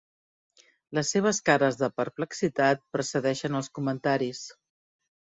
Les seves cares de perplexitat precedeixen els comentaris.